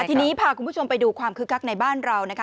ทีนี้พาคุณผู้ชมไปดูความคึกคักในบ้านเรานะคะ